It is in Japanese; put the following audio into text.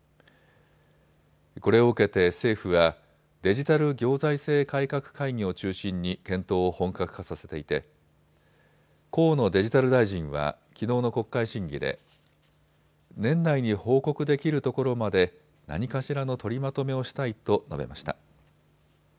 これを受けて政府はデジタル行財政改革会議を中心に検討を本格化させていて河野デジタル大臣はきのうの国会審議で年内に報告できるところまで何かしらの取りまとめをしたいと述べました。